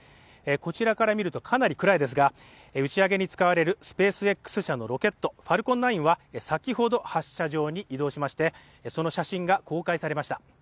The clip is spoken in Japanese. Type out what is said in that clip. こちらから見るとかなり暗いですが打ち上げに使われるスペースＸ社のロケット「ファルコン９」は先ほど発射場に移動しましてその写真が公開されました